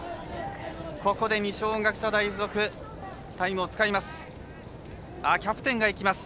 ここで二松学舎大付属タイムを使います。